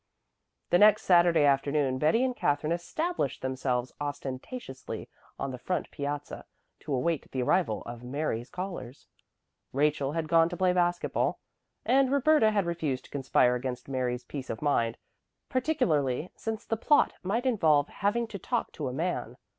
The next Saturday afternoon Betty and Katherine established themselves ostentatiously on the front piazza to await the arrival of Mary's callers, Rachel had gone to play basket ball, and Roberta had refused to conspire against Mary's peace of mind, particularly since the plot might involve having to talk to a man.